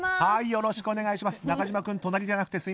よろしくお願いします。